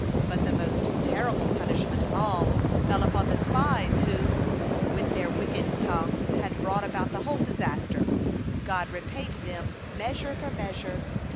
But the most terrible punishment of all fell upon the spies who, with their wicked tongues, had brought about the whole disaster. God repaid them measure for measure.